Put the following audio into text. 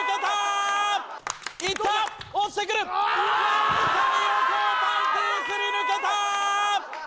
わずかに横をパンティすり抜けた！